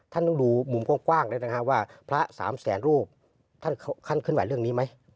ท่านต้องดูมุมกว้างเลยนะฮะว่าพระสามแสนรูปท่านเคลื่อนไหวเรื่องนี้ไหม